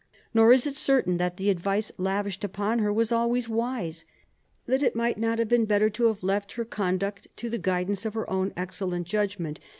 Nor is it certain that the advice lavished upon her was always wise, that it might not have been better to have left her conduct to the guidance of her own excellent judgment.